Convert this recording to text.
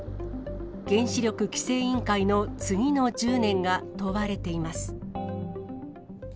原子力規制委員会の次の１０年が問われています。